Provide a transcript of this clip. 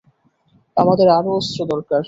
আমাদের আরো অস্ত্র দরকার।